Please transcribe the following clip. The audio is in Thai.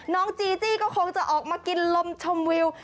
จีจี้ก็คงจะออกมากินลมชมวิว